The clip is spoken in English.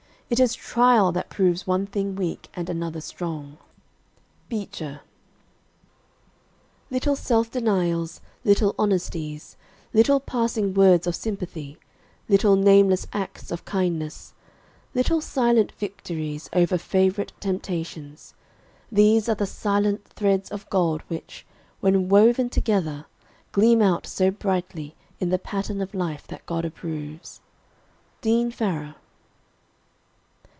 It is trial that proves one thing weak and another strong. BEECHER. Little self denials, little honesties, little passing words of sympathy, little nameless acts of kindness, little silent victories over favorite temptations these are the silent threads of gold which, when woven together, gleam out so brightly in the pattern of life that God approves. DEAN FARRAR.